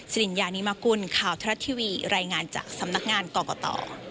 ริญญานิมกุลข่าวทรัฐทีวีรายงานจากสำนักงานกรกต